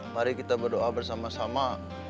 mari kita berdoa bersama sama